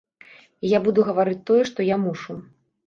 І я буду гаварыць тое, што я мушу.